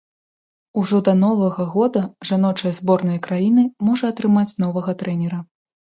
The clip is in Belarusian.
Ужо да новага года жаночая зборная краіны можа атрымаць новага трэнера.